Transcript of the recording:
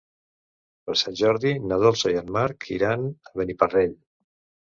Per Sant Jordi na Dolça i en Marc iran a Beniparrell.